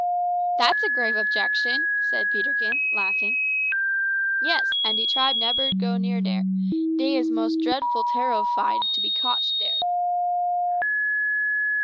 "That's a grave objection," said Peterkin, laughing. "Yes, an' de tribe neber go near dere; dey is most drefful terrorfied to be cotched dere."